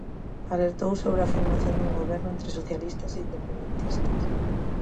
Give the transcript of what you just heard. Alertou sobre a formación dun goberno entre socialistas e independentistas.